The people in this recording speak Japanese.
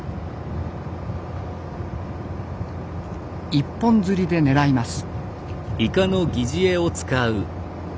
一本釣りで狙います。